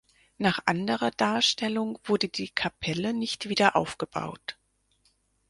Nach anderer Darstellung wurde die Kapelle nicht wieder aufgebaut.